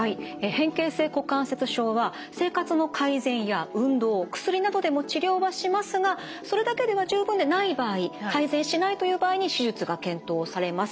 変形性股関節症は生活の改善や運動薬などでも治療はしますがそれだけでは十分でない場合改善しないという場合に手術が検討されます。